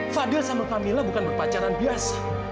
fadil sama kamila bukan berpacaran biasa